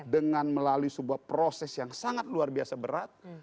dengan melalui sebuah proses yang sangat luar biasa berat